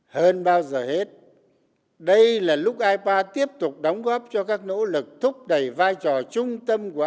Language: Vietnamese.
hơn bao giờ hết đây là lúc ipa tiếp tục đóng góp cho các nỗ lực thúc đẩy vai trò trung tâm của